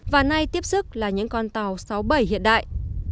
và nay tiếp sức là những con tàu sáu bảy hiện đại